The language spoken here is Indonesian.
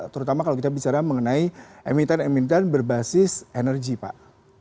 terutama kalau kita bicara mengenai emiten emiten berbasis energi pak